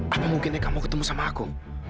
apa mungkin eka mau ketemu sama aku